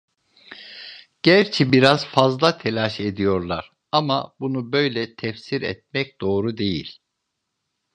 Gerçi biraz fazla telaş ediyorlar, ama bunu böyle tefsir etmek doğru değil…